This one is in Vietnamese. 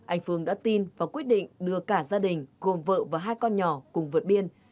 anh phương đã tin và quyết định đưa cả gia đình gồm vợ và hai con nhỏ cùng vượt biên